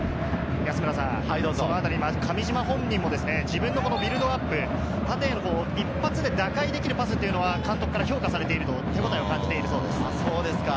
上島本人も自分のビルドアップ、一発で打開できるパスは監督から評価されていると手応えを感じています。